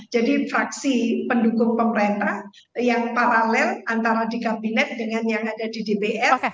jadi fraksi pendukung pemerintah yang paralel antara di kabinet dengan yang ada di dpr